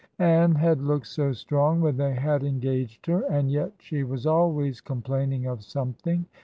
Ann had looked so strong when they had engaged her, and yet she was always complaining of something.